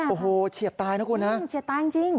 โอ้โหเฉียดตายนะคุณฮะมันเฉียดตายจริง